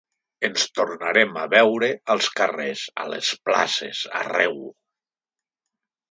Ens tornarem a veure als carrers, a les places, arreu.